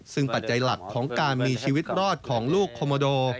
ซึ่งปัจจัยหลักของการมีชีวิตรอดของลูกคอมโมโด